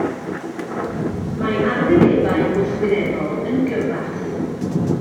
Mae arwynebau gwrthwynebol yn gyfath.